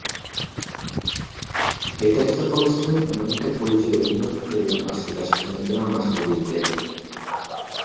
يېتەكچىلىك قىلىشتىن، مەملىكەت بويىچە ھۆكۈمەت ئۇچۇرلىرىنى ئاشكارىلاش خىزمىتىنىڭ مەسئۇلىيىتى.